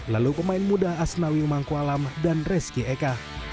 lalu pemain muda asnawi mangkualam dan reski eka